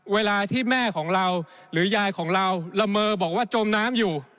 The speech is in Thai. เวลาที่แม่ของเราหรือยายของเราละเมอบอกว่าจมน้ำอยู่